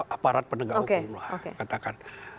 aparat penegak hukum lah katakan